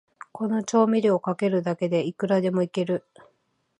この調味料をかけるだけで、いくらでもイケる